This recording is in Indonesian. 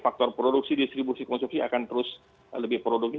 faktor produksi distribusi dan konsumsi akan terus lebih produk